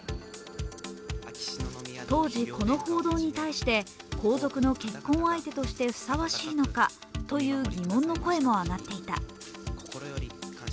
当時、この報道に対して皇族の結婚相手としてふさわしいのかという疑問の声も上がっていた。